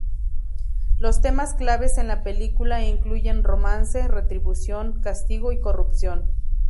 Los temas claves en la película incluyen romance, retribución, castigo y corrupción.